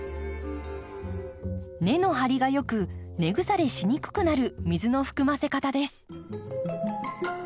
根の張りがよく根腐れしにくくなる水の含ませ方です。